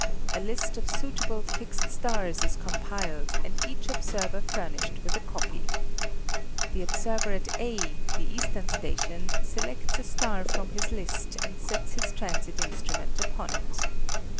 A list of suitable fixed stars is compiled and each observer furnished with a copy. The observer at A the eastern station, selects a star from his list and sets his transit instrument upon it.